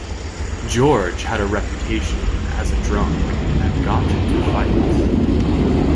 George had a reputation as a drunk and got into fights.